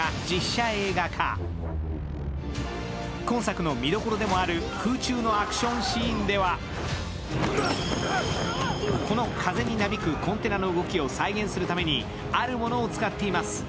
今作の見どころでもある空中のアクションシーンではこの風になびくコンテナの動きを再現するためにあるものを使っています。